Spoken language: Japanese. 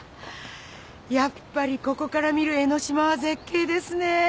やっぱりここから見る江の島は絶景ですね。